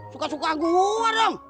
suka suka gua dong